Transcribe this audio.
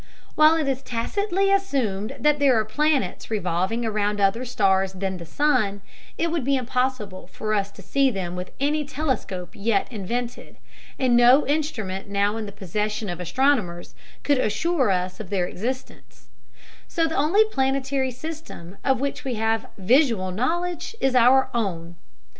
While it is tacitly assumed that there are planets revolving around other stars than the sun, it would be impossible for us to see them with any telescope yet invented, and no instrument now in the possession of astronomers could assure us of their existence; so the only planetary system of which we have visual knowledge is our own.